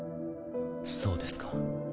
そうですか。